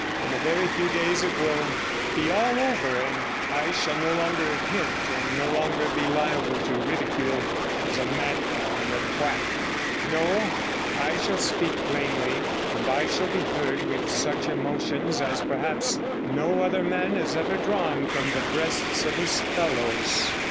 In a very few days it will be all over, and I shall no longer hint, and no longer be liable to ridicule as a madman and a quack. 65 No, I shall speak plainly, and I shall be heard with such emotions as perhaps no other man has ever drawn from the breasts of his fellows.'